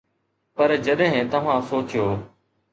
پر جڏهن توهان سوچيو.